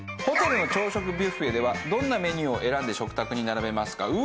ホテルの朝食ビュッフェではどんなメニューを選んで食卓に並べますか？